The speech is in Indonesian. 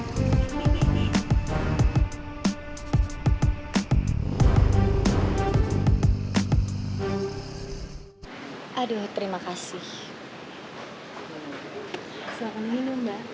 selamat menginum mbak